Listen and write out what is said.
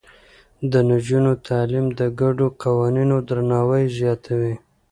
د نجونو تعليم د ګډو قوانينو درناوی زياتوي.